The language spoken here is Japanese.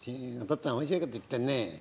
っつぁん面白いこと言ってるね。